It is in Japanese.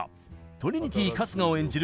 トリニティ春日を演じる